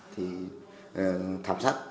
thì thảm sát